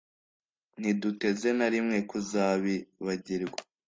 ntiduteze na rimwe kuzabibajyirwa